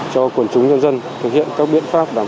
cho quần chúng nhân dân thực hiện các biện pháp